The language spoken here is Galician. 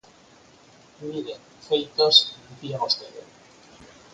Mire, feitos –dicía vostede–.